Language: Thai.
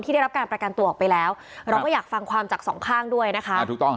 ได้รับการประกันตัวออกไปแล้วเราก็อยากฟังความจากสองข้างด้วยนะคะ